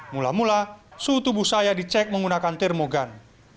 mula mula suhu tubuh saya dicek menggunakan termogan